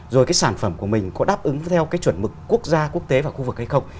rồi cái sản phẩm của mình có đáp ứng theo cái chuẩn mực quốc gia quốc tế và khu vực hay không